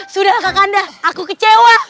sudahlah kakanda aku kecewa